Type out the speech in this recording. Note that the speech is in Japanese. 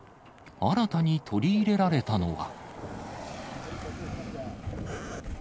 新たに取り入れられたのは。